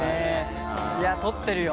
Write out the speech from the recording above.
いや取ってるよ。